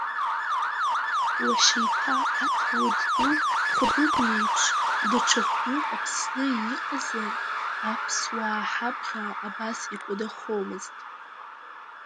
Уашьа иԥа аҭауад ду Хабыгә иеиԥш даҽа хәҩык Аԥсны иҟазар, аԥсуаа ҳабӷа абас икәадахомызт.